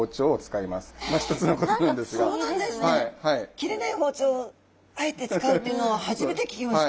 切れない包丁をあえて使うというのは初めて聞きました。